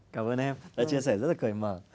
cảm ơn em đã chia sẻ rất là cởi mở